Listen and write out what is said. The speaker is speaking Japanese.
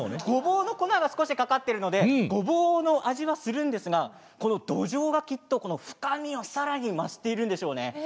ごぼうの粉が少しかかっているのでごぼうの味がするんですがどじょうがきっと深みをさらに増しているんでしょうね。